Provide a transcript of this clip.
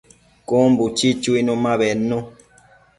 Cun buchi chuinu ma bednu